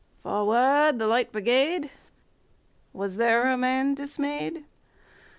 "Forward, the Light Brigade!"Was there a man dismay'd?